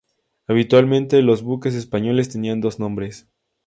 Habitualmente los buques españoles tenían dos nombres.